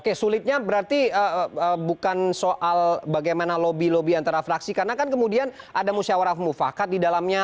oke sulitnya berarti bukan soal bagaimana lobby lobby antara fraksi karena kan kemudian ada musyawarah mufakat di dalamnya